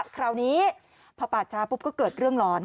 คราวนี้พอปาดช้าปุ๊บก็เกิดเรื่องร้อน